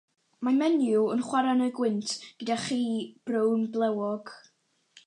Mae menyw yn chwarae yn y gwynt gyda chi brown blewog.